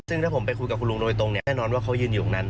ซึ่งถ้าผมไปคุยกับคุณลุงโดยตรงเนี่ยแน่นอนว่าเขายืนอยู่ตรงนั้น